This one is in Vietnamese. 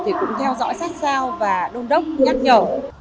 thì cũng theo dõi sát sao và đôn đốc nhắc nhở